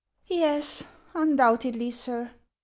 " Yes, undoubtedly, sir."